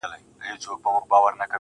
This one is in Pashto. هغې ليونۍ بيا د غاړي هار مات کړی دی